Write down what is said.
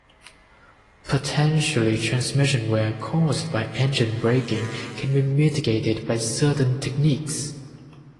Potentially transmission wear caused by engine braking can be mitigated by certain techniques.